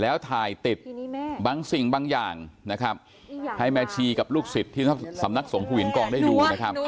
แล้วถ่ายติดบางสิ่งบางอย่างให้แมชีกับลูกศิษย์ที่สำนักสงค์สองฟิวินกองได้ดู